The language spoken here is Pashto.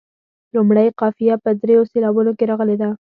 لومړۍ قافیه په دریو سېلابونو کې راغلې ده.